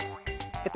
えっと